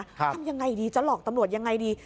ทำยังไงดีจะหลอกตำรวจยังไงดี